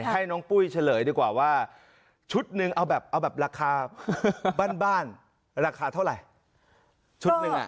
ให้น้องปุ้ยเฉลยดีกว่าว่าชุดนึงเอาแบบราคาบ้านราคาเท่าไหร่